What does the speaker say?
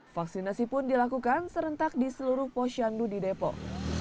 vaksinasi pun dilakukan serentak di seluruh posyandu di depok